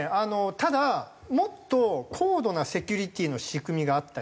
ただもっと高度なセキュリティーの仕組みがあったりして。